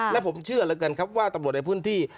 และผมเชื่อเหลือเกินครับว่าตำรวจในพื้นที่